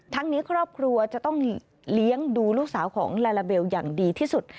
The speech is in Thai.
นี้ครอบครัวจะต้องเลี้ยงดูลูกสาวของลาลาเบลอย่างดีที่สุด